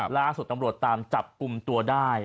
ล่าสุดตำรวจตามจับกลุ่มตัวได้